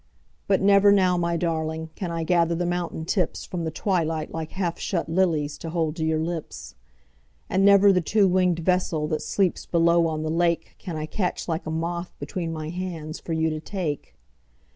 But never now, my darlingCan I gather the mountain tipsFrom the twilight like half shut liliesTo hold to your lips. And never the two winged vesselThat sleeps below on the lakeCan I catch like a moth between my handsFor you to take.